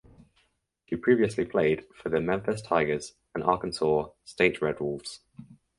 She previously played for the Memphis Tigers and Arkansas State Red Wolves.